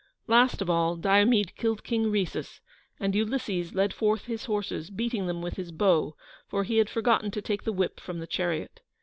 Last of all Diomede killed King Rhesus, and Ulysses led forth his horses, beating them with his bow, for he had forgotten to take the whip from the chariot.